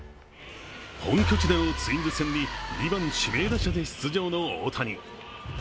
本拠地でのツインズ戦に２番・指名打者で出場の大谷。